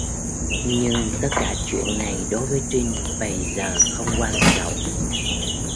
Nhưng tất cả chuyện này đối với trinh bày giờ không quan trọng